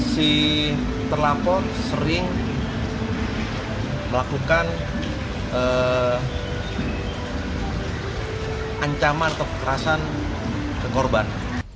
si terlapor sering melakukan ancaman atau kekerasan ke korban